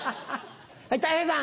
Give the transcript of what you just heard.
はいたい平さん。